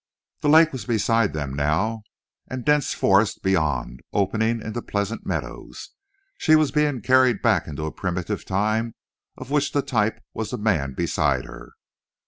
The lake was beside them now, and dense forest beyond opening into pleasant meadows. She was being carried back into a primitive time of which the type was the man beside her.